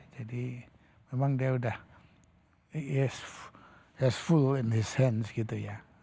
jadi memang dia udah he is just full in his hands gitu ya